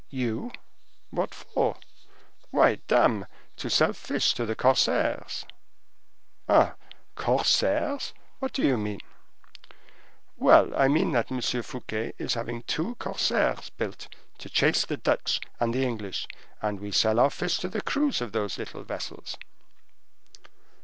"You! What for?" "Why, dame! to sell fish to the corsairs." "Ha! Corsairs—what do you mean?" "Well, I mean that M. Fouquet is having two corsairs built to chase the Dutch and the English, and we sell our fish to the crews of those little vessels."